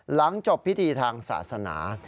หลังจบพิธีทางศาสนา